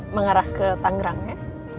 mengarah ke tangerang ya